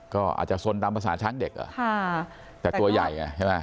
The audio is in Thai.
ก็อาจจะสนตามภาษาช้างเด็กเหรอแต่ตัวใหญ่